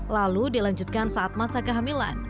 lalu dilanjutkan saat masa kehamilan